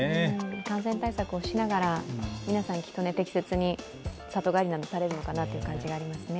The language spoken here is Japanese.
感染対策をしながら、皆さんきっと適切に里帰りなどされるのかなと思いますね。